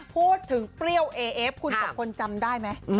พูดถึงเปรี้ยวเอเอฟคุณสองคนจำได้ไหม